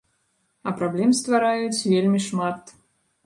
А праблем ствараюць вельмі шмат.